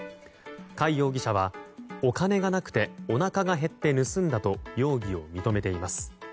甲斐容疑者は、お金がなくておなかが減って盗んだと容疑を認めています。